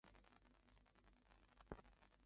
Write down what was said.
辖境相当今越南广宁省东北河桧一带。